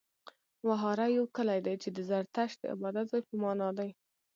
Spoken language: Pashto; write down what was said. وهاره يو کلی دی، چې د زرتښت د عبادت ځای په معنا دی.